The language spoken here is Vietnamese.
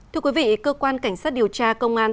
thưa quý vị cơ quan cảnh sát điều tra công an